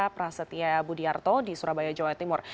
prasetya budiarto di surabaya jawa timur